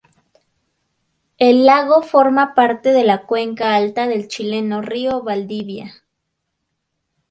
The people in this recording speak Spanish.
El lago forma parte de la cuenca alta del chileno río Valdivia.